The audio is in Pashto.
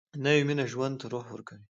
نوې مینه ژوند ته روح ورکوي